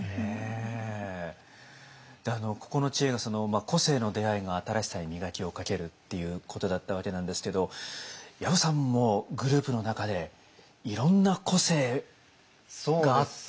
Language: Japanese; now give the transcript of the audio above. でここの知恵が「個性の出会いが“新しさ”に磨きをかける」っていうことだったわけなんですけど薮さんもグループの中でいろんな個性があって。